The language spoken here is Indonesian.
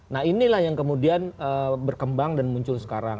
nah inilah yang kemudian berkembang dan muncul sekarang